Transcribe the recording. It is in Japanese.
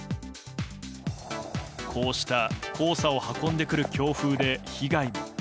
こうした黄砂を運んでくる強風で被害が。